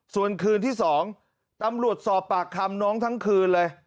ส่วนคืนที่๒ตำรวจสอบปากคำน้องทั้งคืนเลย